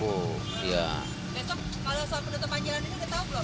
besok kalau soal penutupan jalan ini udah tahu belum